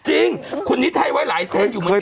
จริงคุณนิไทยไว้หลายเส้นอยู่เหมือนกัน